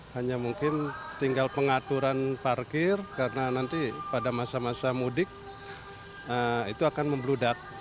hanya mungkin tinggal pengaturan parkir karena nanti pada masa masa mudik itu akan membludak